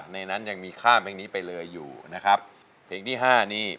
ในนั้นยังมีข้ามเพลงนี้ไปเลยอยู่นะครับเพลงที่ห้านี่